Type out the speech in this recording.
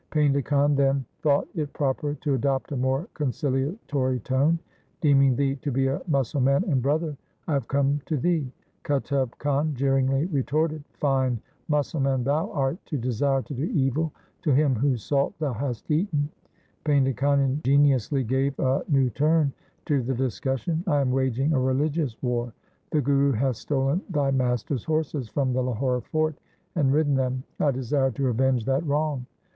Painda Khan then thought it proper to adopt a more concilatory tone, ' Deeming thee to be a Musalman and brother I have come to thee.' Qutub Khan jeeringly retorted, 'Fine Musal man thou art to desire to do evil to him whose salt thou hast eaten !' Painda Khan ingeniously gave a new turn to the discussion, ' I am waging a religious war. The Guru hath stolen thy master's horses from the Lahore fort and ridden them. I desire to avenge that wrong.'